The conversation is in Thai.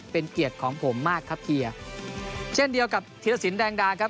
เป็นเกียรติของผมมากครับเฮียเช่นเดียวกับธีรสินแดงดาครับ